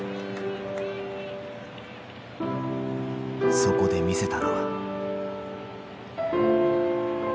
そこで見せたのは。